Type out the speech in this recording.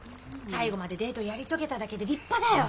最後までデートやり遂げただけで立派だよ。